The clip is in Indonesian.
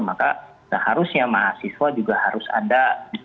maka seharusnya mahasiswa juga harus ada